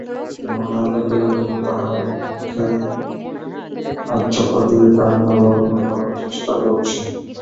মনে হল কেউ যেন তার মুখে হাত চাপা দিয়ে কান্না বন্ধ করার চেষ্টা করছে।